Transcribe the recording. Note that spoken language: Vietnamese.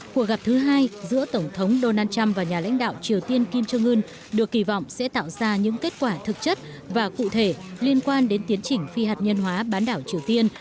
cuộc gặp thứ hai giữa tổng thống donald trump và nhà lãnh đạo triều tiên kim trương ưn được kỳ vọng sẽ tạo ra những kết quả thực chất và cụ thể liên quan đến tiến trình phi hạt nhân hóa bán đảo triều tiên